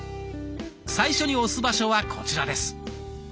最初に押す場所はこちらです。